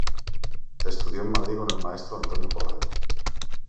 Estudió en Madrid con el maestro Antonio Cordero.